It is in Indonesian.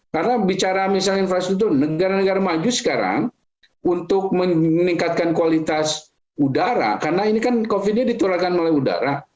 karena bicara misalnya infrastruktur negara negara maju sekarang untuk meningkatkan kualitas udara karena ini kan covid nya diturunkan oleh udara